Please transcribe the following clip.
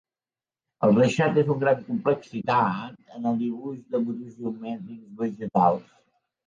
El reixat és de gran complexitat en el dibuix de motius geomètrics vegetals.